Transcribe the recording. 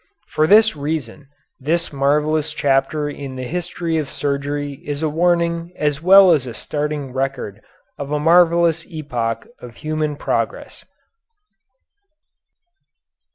For this reason this marvellous chapter in the history of surgery is a warning as well as a startling record of a marvellous epoch of human progress.